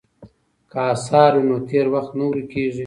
که اثار وي نو تېر وخت نه ورکیږي.